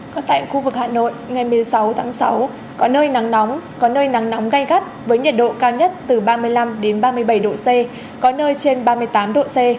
còn tại khu vực hà nội ngày một mươi sáu tháng sáu có nơi nắng nóng có nơi nắng nóng gai gắt với nhiệt độ cao nhất từ ba mươi năm ba mươi bảy độ c có nơi trên ba mươi tám độ c